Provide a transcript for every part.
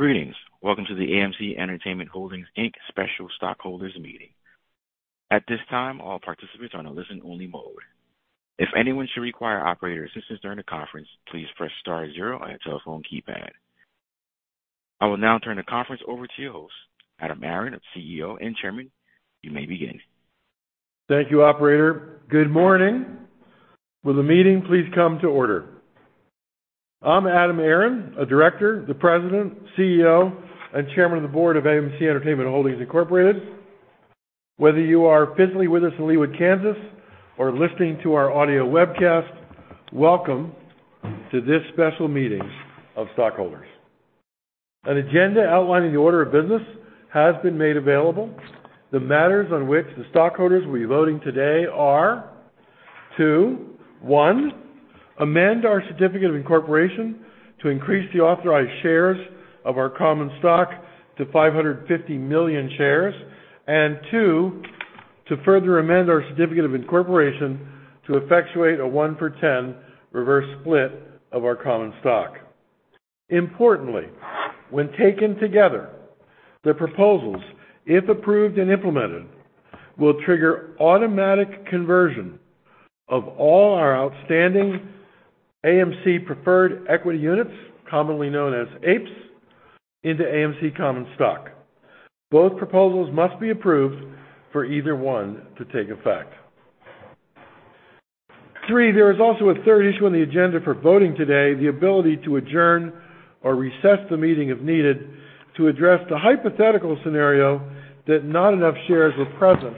Greetings. Welcome to the AMC Entertainment Holdings, Inc. special stockholders meeting. At this time, all participants are on a listen-only mode. If anyone should require operator assistance during the conference, please press star zero on your telephone keypad. I will now turn the conference over to your host, Adam Aron, CEO and Chairman. You may begin. Thank you, operator. Good morning. Will the meeting please come to order. I'm Adam Aron, a director, the President, CEO, and Chairman of the Board of AMC Entertainment Holdings, Incorporated. Whether you are physically with us in Leawood, Kansas or listening to our audio webcast, welcome to this special meeting of stockholders. An agenda outlining the order of business has been made available. The matters on which the stockholders will be voting today are to, 1, amend our certificate of incorporation to increase the authorized shares of our common stock to 550 million shares and 2, to further amend our certificate of incorporation to effectuate a 1-for-10 reverse split of our common stock. Importantly, when taken together, the proposals, if approved and implemented, will trigger automatic conversion of all our outstanding AMC Preferred Equity units, commonly known as APEs, into AMC common stock. Both proposals must be approved for either one to take effect. 3, there is also a 3rd issue on the agenda for voting today, the ability to adjourn or recess the meeting if needed to address the hypothetical scenario that not enough shares were present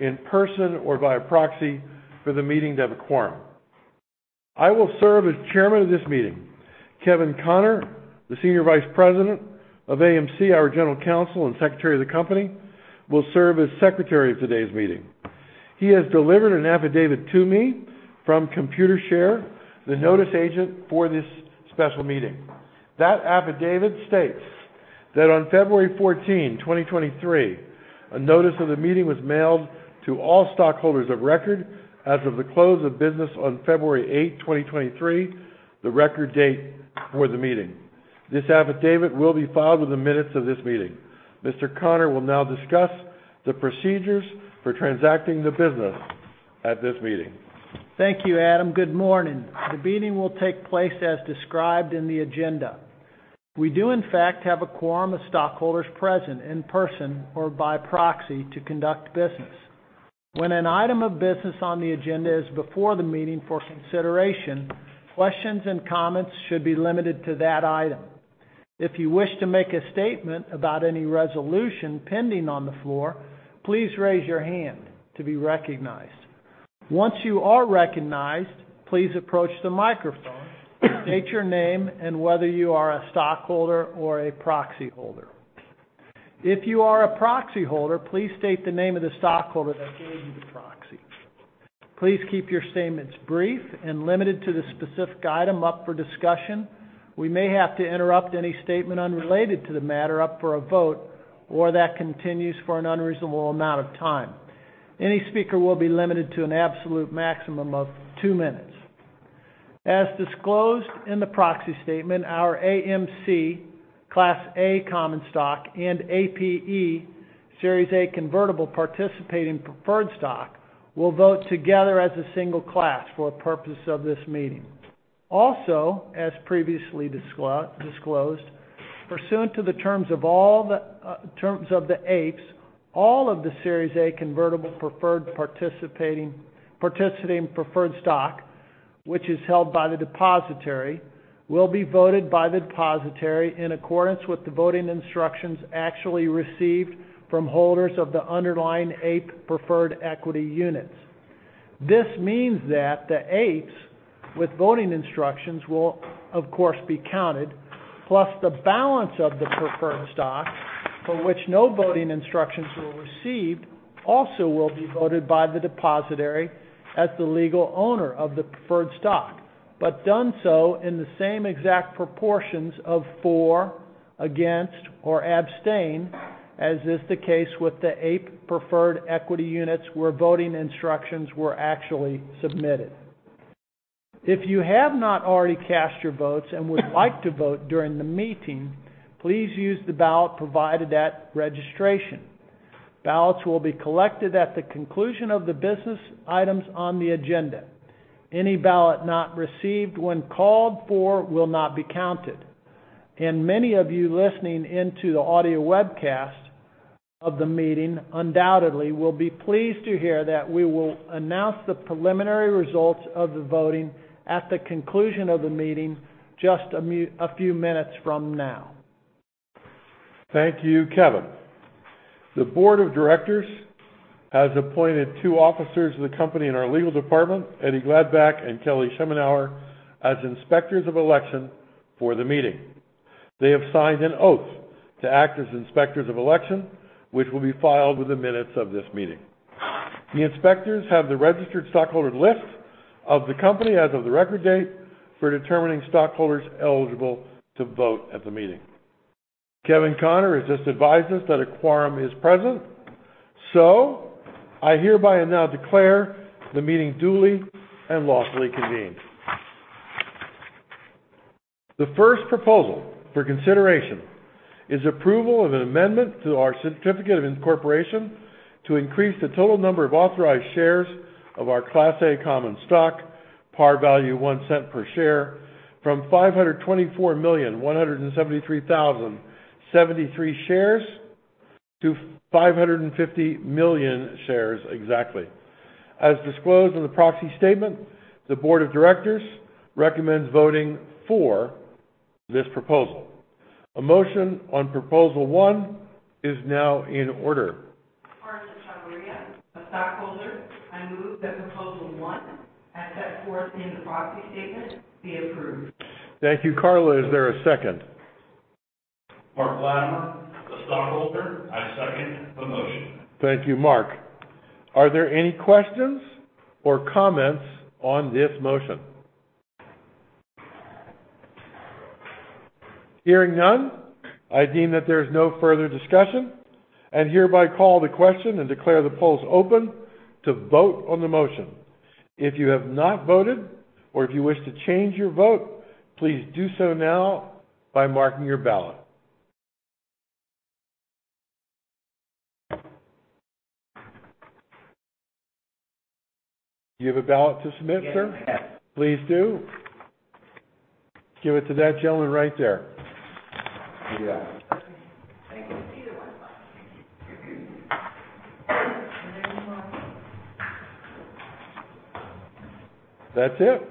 in person or via proxy for the meeting to have a quorum. I will serve as chairman of this meeting. Kevin Connor, the Senior Vice President of AMC, our General Counsel and Secretary of the company, will serve as Secretary of today's meeting. He has delivered an affidavit to me from Computershare, the notice agent for this special meeting. That affidavit states that on February 14th, 2023, a notice of the meeting was mailed to all stockholders of record as of the close of business on February 8th, 2023, the record date for the meeting. This affidavit will be filed with the minutes of this meeting. Mr. Connor will now discuss the procedures for transacting the business at this meeting. Thank you, Adam. Good morning. The meeting will take place as described in the agenda. We do in fact have a quorum of stockholders present in person or by proxy to conduct business. When an item of business on the agenda is before the meeting for consideration, questions and comments should be limited to that item. If you wish to make a statement about any resolution pending on the floor, please raise your hand to be recognized. Once you are recognized, please approach the microphone, state your name and whether you are a stockholder or a proxy holder. If you are a proxy holder, please state the name of the stockholder that gave you the proxy. Please keep your statements brief and limited to the specific item up for discussion. We may have to interrupt any statement unrelated to the matter up for a vote or that continues for an unreasonable amount of time. Any speaker will be limited to an absolute maximum of two minutes. As disclosed in the proxy statement, our AMC Class A Common Stock and APE Series A Convertible Participating Preferred Stock will vote together as a single class for the purpose of this meeting. Also, as previously disclosed, pursuant to the terms of all the terms of the APEs, all of the Series A Convertible Participating Preferred Stock, which is held by the depositary, will be voted by the depositary in accordance with the voting instructions actually received from holders of the underlying APE Preferred Equity units. This means that the APEs with voting instructions will, of course, be counted, plus the balance of the preferred stock for which no voting instructions were received also will be voted by the depositary as the legal owner of the preferred stock, but done so in the same exact proportions of for, against, or abstain, as is the case with the APE preferred equity units where voting instructions were actually submitted. If you have not already cast your votes and would like to vote during the meeting, please use the ballot provided at registration. Ballots will be collected at the conclusion of the business items on the agenda. Any ballot not received when called for will not be counted. Many of you listening in to the audio webcast of the meeting undoubtedly will be pleased to hear that we will announce the preliminary results of the voting at the conclusion of the meeting just a few minutes from now. Thank you, Kevin. The board of directors has appointed two officers of the company in our legal department, Eddie Gladback and Kevin Connor, as inspectors of election for the meeting. They have signed an oath to act as inspectors of election, which will be filed with the minutes of this meeting. The inspectors have the registered stockholder list of the company as of the record date for determining stockholders eligible to vote at the meeting. Kevin Connor has just advised us that a quorum is present. I hereby now declare the meeting duly and lawfully convened. The 1st proposal for consideration is approval of an amendment to our certificate of incorporation to increase the total number of authorized shares of our Class A Common Stock, par value 1 cent per share, from 524,173,073 shares to 550 million shares exactly. As disclosed in the proxy statement, the board of directors recommends voting for this proposal. A motion on proposal 1 is now in order. Carla Chavarria, a stockholder. I move that Proposal 1, as set forth in the proxy statement, be approved. Thank you, Carla. Is there a second? Mark Latimer, a stockholder. I second the motion. Thank you, Mark. Are there any questions or comments on this motion? Hearing none, I deem that there is no further discussion and hereby call the question and declare the polls open to vote on the motion. If you have not voted or if you wish to change your vote, please do so now by marking your ballot. Do you have a ballot to submit, sir? Yes, I have. Please do. Give it to that gentleman right there. Yeah. Thank you. Either one. That's it.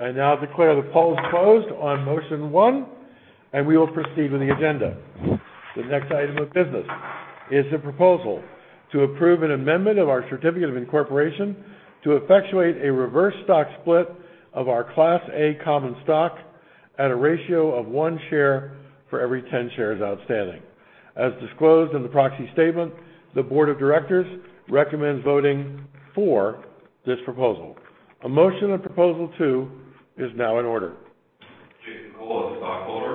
I now declare the polls closed on motion 1, and we will proceed with the agenda. The next item of business is a proposal to approve an amendment of our certificate of incorporation to effectuate a reverse stock split of our Class A Common Stock at a ratio of 1 share for every 10 shares outstanding. As disclosed in the proxy statement, the board of directors recommends voting for this proposal. A motion on proposal 2 is now in order. Jason Cole, a stockholder.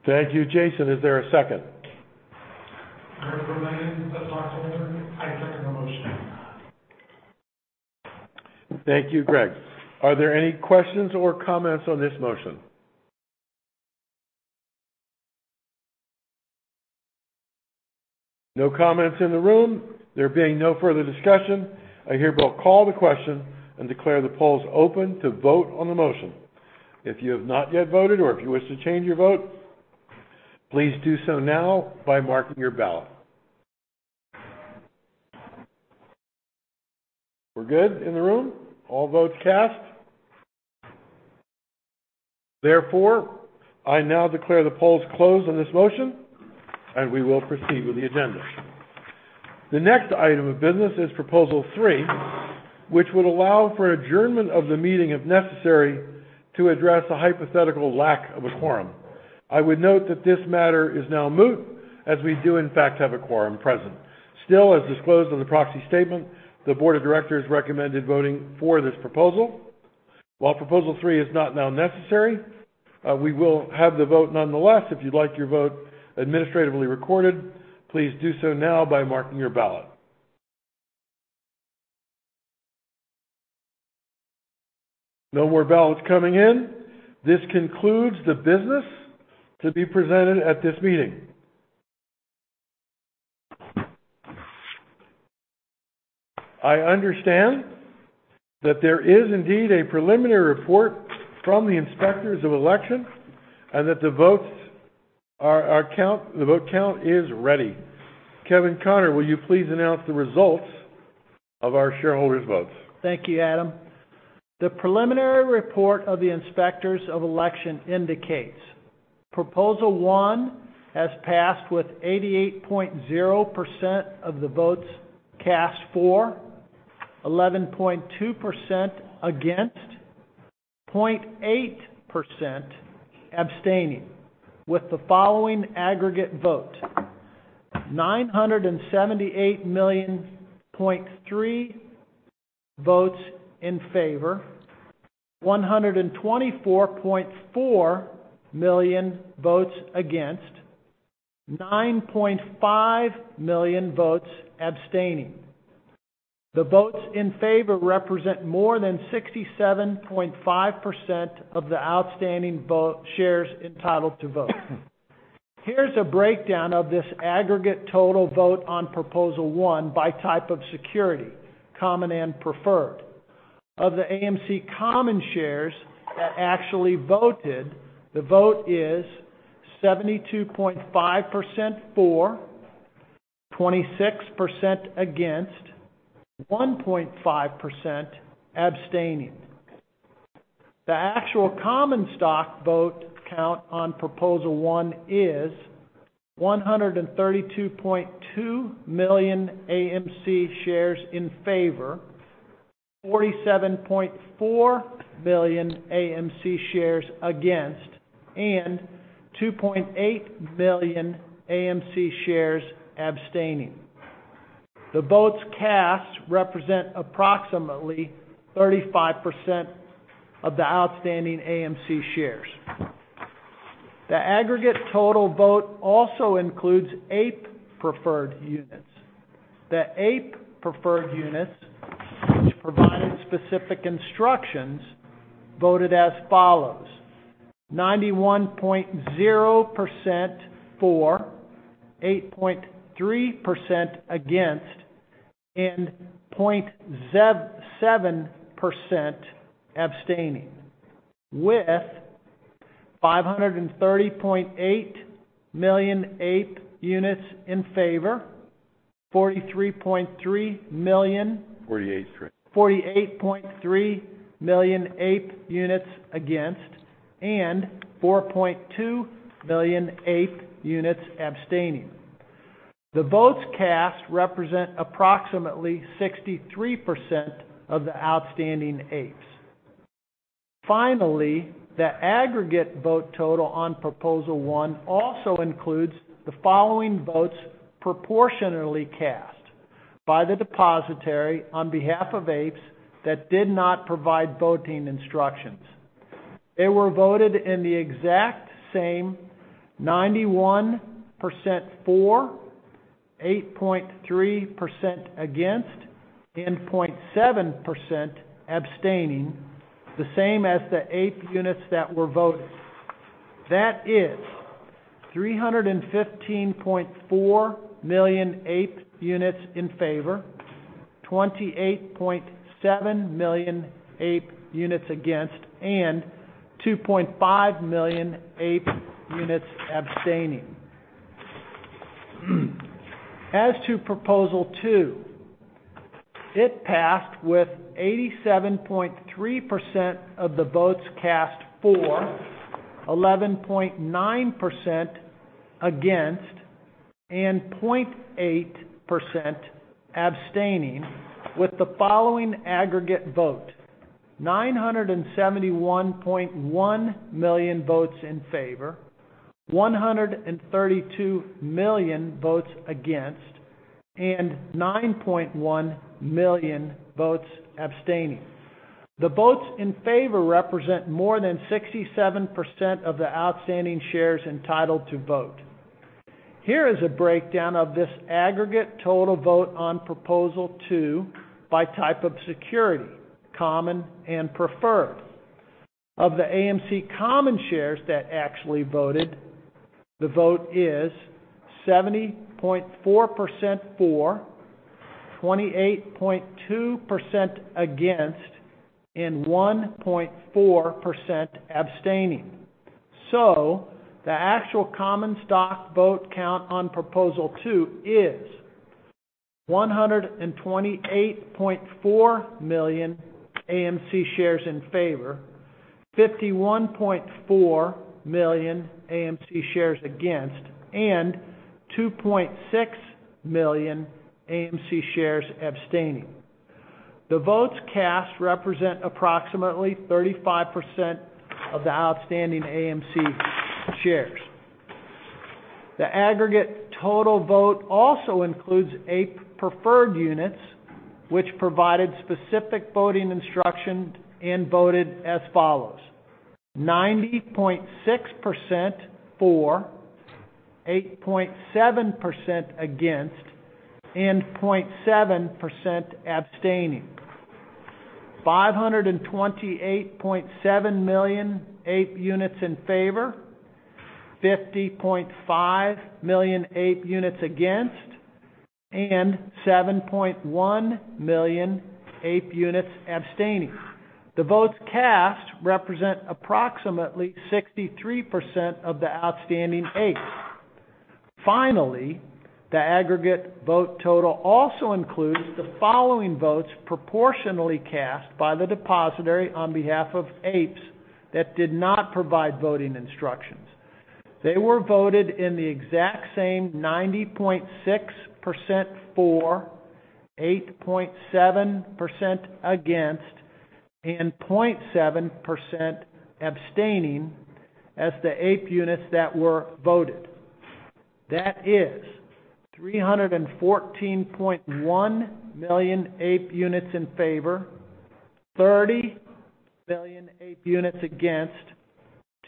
I move that proposal 2, as set forth in the proxy statement, be approved. Thank you, Jason. Is there a second? Greg Romine, a stockholder. I second the motion. Thank you, Greg. Are there any questions or comments on this motion? No comments in the room. There being no further discussion, I hereby call the question and declare the polls open to vote on the motion. If you have not yet voted or if you wish to change your vote, please do so now by marking your ballot. We're good in the room. All votes cast. I now declare the polls closed on this motion, and we will proceed with the agenda. The next item of business is proposal 3, which would allow for adjournment of the meeting, if necessary, to address a hypothetical lack of a quorum. I would note that this matter is now moot, as we do in fact have a quorum present. As disclosed in the proxy statement, the board of directors recommended voting for this proposal. While proposal three is not now necessary, we will have the vote nonetheless. If you'd like your vote administratively recorded, please do so now by marking your ballot. No more ballots coming in. This concludes the business to be presented at this meeting. I understand that there is indeed a preliminary report from the inspectors of election and that the vote count is ready. Kevin Connor, will you please announce the results of our shareholders' votes? Thank you, Adam. The preliminary report of the inspectors of election indicates proposal one has passed with 88.0% of the votes cast for, 11.2% against, 0.8% abstaining, with the following aggregate vote: 978.3 million votes in favor, 124.4 million votes against, 9.5 million votes abstaining. The votes in favor represent more than 67.5% of the outstanding shares entitled to vote. Here's a breakdown of this aggregate total vote on proposal one by type of security, common and preferred. Of the AMC common shares that actually voted, the vote is 72.5% for, 26% against, 1.5% abstaining. The actual common stock vote count on proposal one is 132.2 million AMC shares in favor, 47.4 million AMC shares against, and 2.8 million AMC shares abstaining. The votes cast represent approximately 35% of the outstanding AMC shares. The aggregate total vote also includes APE preferred units. The APE preferred units, which provided specific instructions, voted as follows: 91.0% for, 8.3% against, and 0.7% abstaining, with 530.8 million APE units in favor, 43.3 million. 48 3. 48.3 million APE units against and 4.2 million APE units abstaining. The votes cast represent approximately 63% of the outstanding APES. Finally, the aggregate vote total on Proposal One also includes the following votes proportionally cast by the depositary on behalf of APES that did not provide voting instructions. They were voted in the exact same 91% for, 8.3% against, and 0.7% abstaining. The same as the APE units that were voted. That is 315.4 million APE units in favor, 28.7 million APE units against, and 2.5 million APE units abstaining. As to Proposal Two, it passed with 87.3% of the votes cast for, 11.9% against, and 0.8% abstaining with the following aggregate vote: 971.1 million votes in favor, 132 million votes against, and 9.1 million votes abstaining. The votes in favor represent more than 67% of the outstanding shares entitled to vote. Here is a breakdown of this aggregate total vote on Proposal Two by type of security, common and preferred. Of the AMC common shares that actually voted, the vote is 70.4% for, 28.2% against, and 1.4% abstaining. The actual common stock vote count on Proposal Two is 128.4 million AMC shares in favor, 51.4 million AMC shares against, and 2.6 million AMC shares abstaining. The votes cast represent approximately 35% of the outstanding AMC shares. The aggregate total vote also includes APE preferred units, which provided specific voting instruction and voted as follows: 90.6% for, 8.7% against, and 0.7% abstaining. 528.7 million APE units in favor, 50.5 million APE units against, and 7.1 million APE units abstaining. The votes cast represent approximately 63% of the outstanding APEs. The aggregate vote total also includes the following votes proportionally cast by the depositary on behalf of APEs that did not provide voting instructions. They were voted in the exact same 90.6% for, 8.7% against, and 0.7% abstaining as the APE units that were voted. That is 314.1 million APE units in favor, 30 million APE units against,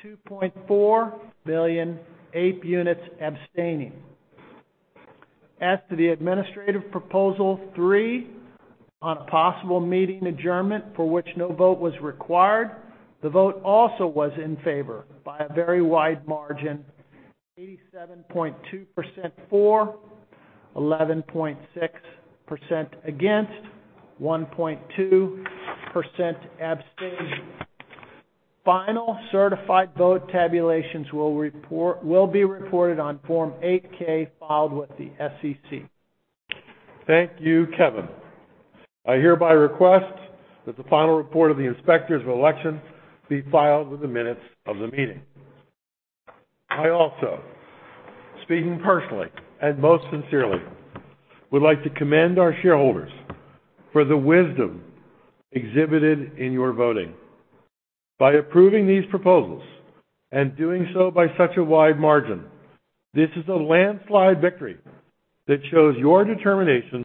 2.4 million APE units abstaining. As to the Administrative Proposal Three on possible meeting adjournment for which no vote was required, the vote also was in favor by a very wide margin. 87.2% for, 11.6% against, 1.2% abstained. Final certified vote tabulations will be reported on Form 8-K filed with the SEC. Thank you, Kevin. I hereby request that the final report of the inspectors of election be filed with the minutes of the meeting. I also, speaking personally and most sincerely, would like to commend our shareholders for the wisdom exhibited in your voting. By approving these proposals and doing so by such a wide margin, this is a landslide victory that shows your determination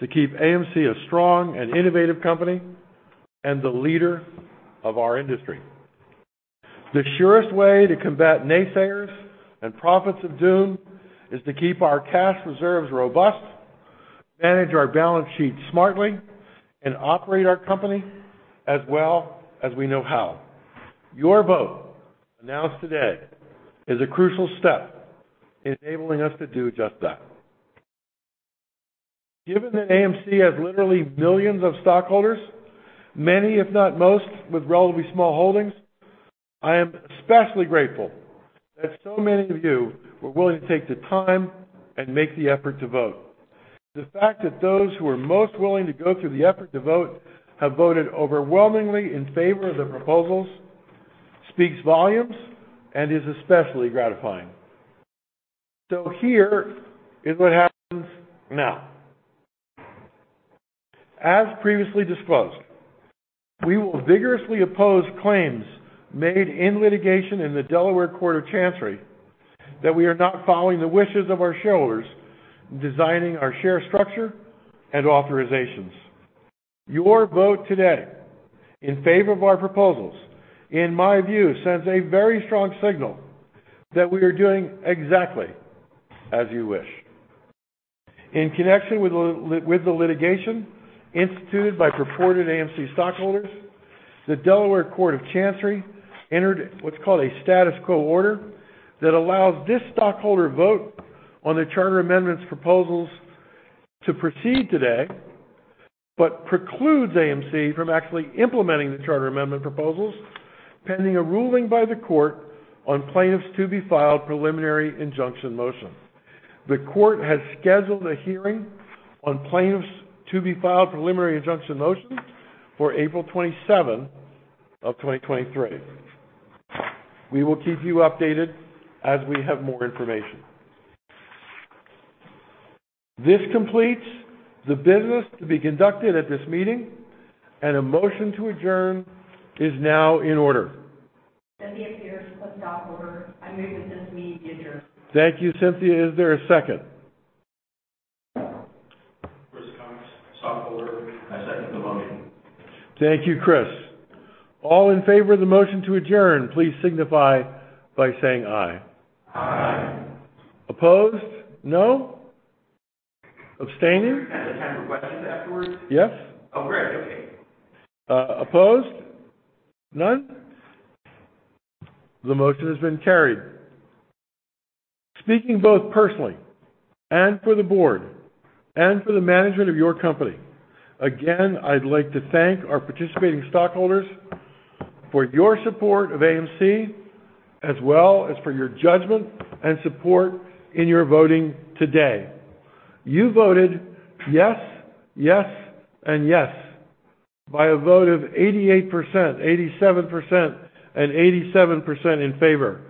to keep AMC a strong and innovative company and the leader of our industry. The surest way to combat naysayers and prophets of doom is to keep our cash reserves robust, manage our balance sheet smartly, and operate our company as well as we know how. Your vote announced today is a crucial step in enabling us to do just that. Given that AMC has literally millions of stockholders, many if not most, with relatively small holdings, I am especially grateful that so many of you were willing to take the time and make the effort to vote. The fact that those who are most willing to go through the effort to vote have voted overwhelmingly in favor of the proposals speaks volumes and is especially gratifying. Here is what happens now. As previously disclosed, we will vigorously oppose claims made in litigation in the Delaware Court of Chancery that we are not following the wishes of our shareholders in designing our share structure and authorizations. Your vote today in favor of our proposals, in my view, sends a very strong signal that we are doing exactly as you wish. In connection with the with the litigation instituted by purported AMC stockholders, the Delaware Court of Chancery entered what's called a status quo order that allows this stockholder vote on the charter amendments proposals to proceed today, but precludes AMC from actually implementing the charter amendment proposals pending a ruling by the court on plaintiffs to be filed preliminary injunction motion. The court has scheduled a hearing on plaintiffs to be filed preliminary injunction motions for April 27 of 2023. We will keep you updated as we have more information. This completes the business to be conducted at this meeting, and a motion to adjourn is now in order. I move that this meeting be adjourned. Thank you, Cynthia. Is there a second? Chris Cox, Stockholder. I second the motion. Thank you, Chris. All in favor of the motion to adjourn, please signify by saying aye. Opposed, no. Abstaining? There's time for questions afterwards? Yes. Oh, great. Okay. Opposed? None. The motion has been carried. Speaking both personally and for the board and for the management of your company, again, I'd like to thank our participating stockholders for your support of AMC as well as for your judgment and support in your voting today. You voted yes, and yes, by a vote of 88%, 87%, and 87% in favor.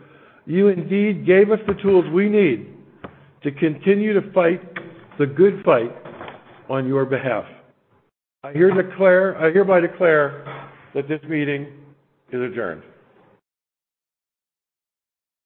You indeed gave us the tools we need to continue to fight the good fight on your behalf. I hereby declare that this meeting is adjourned.